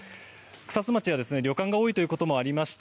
草津町は旅館が多いということもありまして